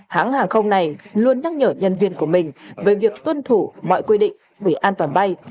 hãng hàng không này luôn nhắc nhở nhân viên của mình về việc tuân thủ mọi quy định về an toàn bay